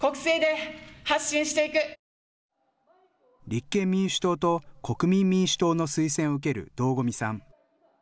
立憲民主党と国民民主党の推薦を受ける堂込さん。